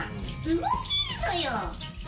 動けるのよ！